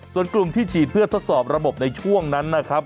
ส่วนกลุ่มที่ฉีดเพื่อทดสอบระบบในช่วงนั้นนะครับ